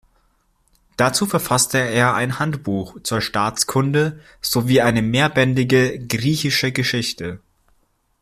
Dazu verfasste er ein Handbuch zur Staatskunde sowie eine mehrbändige "Griechische Geschichte".